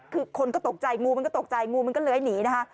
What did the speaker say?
คือคนก็ตกใจงูมันก็ตกใจงูมันก็เลื้อยหนีนะคะ